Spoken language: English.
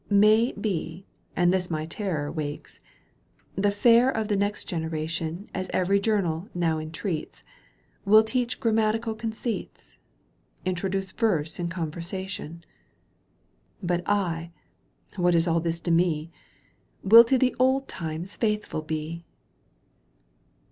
May be, and this my terror wakes, The fair of the next generation, As every journal now entreats, Will teach grammatical conceits, Introduce verse in conversation. But I — ^what is all this to me ?— Will to the old times faithful be.